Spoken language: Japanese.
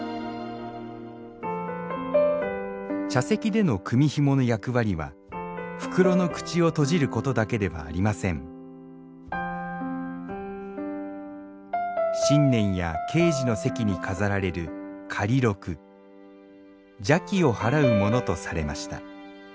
茶席での組みひもの役割は袋の口を閉じることだけではありません新年や慶事の席に飾られる邪気を払うものとされました。